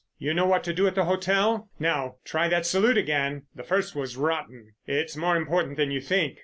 You know what to do at the hotel? Now, try that salute again, the first was rotten. It's more important than you think.